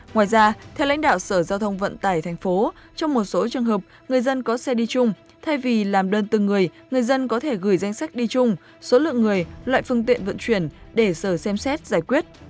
ngoài ra theo lãnh đạo sở giao thông vận tải tp trong một số trường hợp người dân có xe đi chung thay vì làm đơn từng người người dân có thể gửi danh sách đi chung số lượng người loại phương tiện vận chuyển để sở xem xét giải quyết